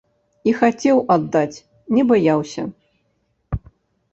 І хацеў аддаць, не баяўся.